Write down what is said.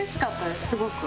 すごく。